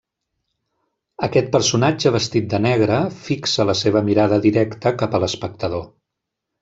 Aquest personatge vestit de negre, fixa la seva mirada directa cap a l'espectador.